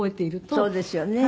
そうですよね。